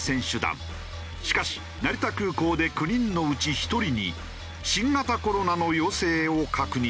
しかし成田空港で９人のうち１人に新型コロナの陽性を確認。